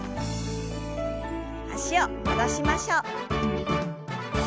脚を戻しましょう。